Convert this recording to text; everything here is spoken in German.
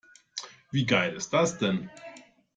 Wie geil ist das denn?